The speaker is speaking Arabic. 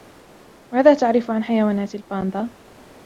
ماذا تعرف عن حيوانات الباندا ؟